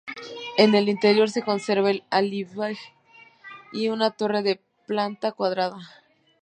En el interior se conserva el aljibe y una torre de planta cuadrada.